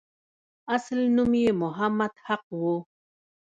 اصل نوم یې محمد حق وو.